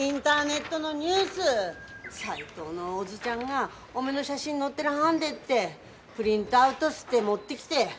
齋藤のおずちゃんがおめの写真載ってらはんでってプリントアウトすて持ってぎで。